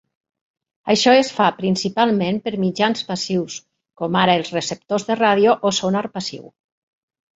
Això es fa principalment per mitjans passius com ara els receptors de ràdio o sonar passiu.